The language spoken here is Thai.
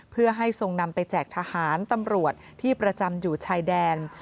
เพื่อให้ทรงนำไปแจกทหารตำรวจที่ประจำอยู่ชายแดน